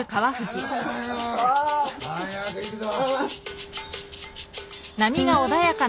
早く行くぞ。